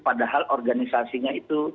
padahal organisasinya itu